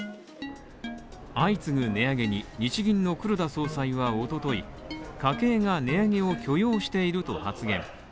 相次ぐ値上げに日銀の黒田総裁は一昨日、家計が値上げを許容していると発言。